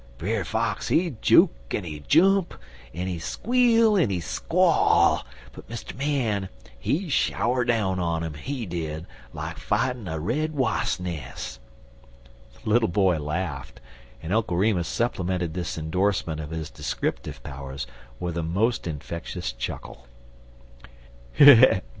Brer Fox, he juk en he jump, en he squeal en he squall, but Mr. Man, he shower down on 'im, he did, like fightin' a red was'nes'." The little boy laughed, and Uncle Remus supplemented this indorsement of his descriptive powers with a most infectious chuckle.